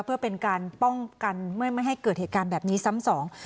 เพื่อเป็นการป้องกันไม่ให้เกิดเหตุการณ์แบบนี้ซ้ำสอง